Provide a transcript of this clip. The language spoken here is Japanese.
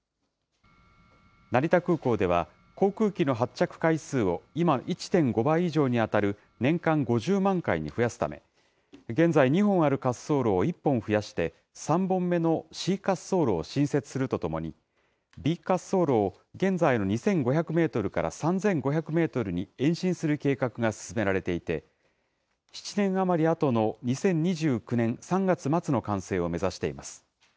成田空港では、航空機の発着回数を今の１．５倍以上に当たる、年間５０万回に増やすため、現在、２本ある滑走路を１本増やして、３本目のＣ滑走路を新設するとともに、Ｂ滑走路を現在の２５００メートルから３５００メートルに延伸する計画が進められていて、７年余りあとの２０２９年３月末の完成を目指しています。